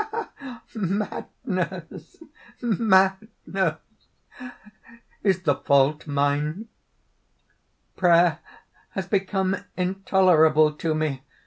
madness! madness! Is the fault mine? Prayer has become intolerable to me!